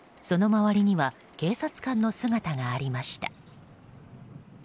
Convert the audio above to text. その周りには警察官の姿がありました。